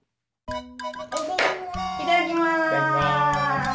いただきます！